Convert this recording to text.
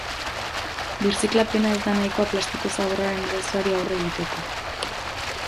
Birziklapena ez da nahikoa plastiko-zaborraren arazoari aurre egiteko.